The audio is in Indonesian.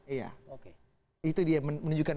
iya itu dia menunjukkan